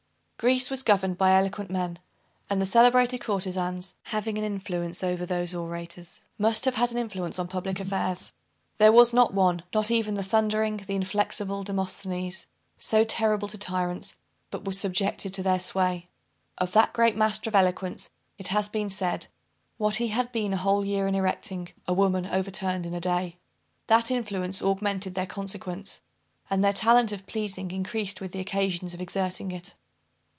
Greece was governed by eloquent men; and the celebrated courtezans, having an influence over those orators must have had an influence on public affairs. There was not one, not even the thundering, the inflexible Demosthenes, so terrible to tyrants, but was subjected to their sway. Of that great master of eloquence it has been said, "What he had been a whole year in erecting, a woman overturned in a day." That influence augmented their consequence; and their talent of pleasing increased with the occasions of exerting it.